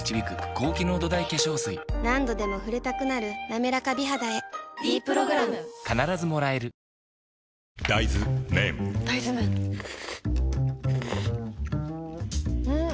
何度でも触れたくなる「なめらか美肌」へ「ｄプログラム」大豆麺ん？